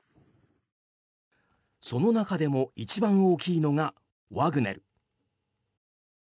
その中でも一番大きいのがワグネル。